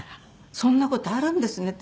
そんな事あるんですねって